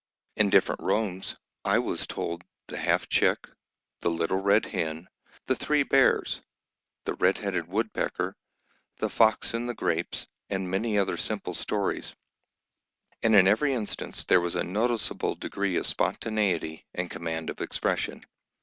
In different rooms, I was told The Half Chick, The Little Red Hen, The Three Bears, The Red Headed Woodpecker, The Fox and the Grapes, and many other simple stories, and in every instance there was a noticeable degree of spontaneity and command of expression.